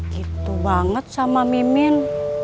gitu banget sama mimin